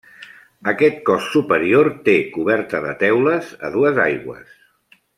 Aquest cos superior té coberta de teules a dues aigües.